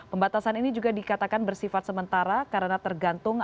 pembatasan ini juga dikatakan bersifat sementara karena tergantung